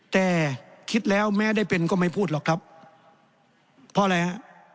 แต่คิดแล้วแม้ได้เป็นก็ไม่พูดหรอกครับเพราะอะไรฮะ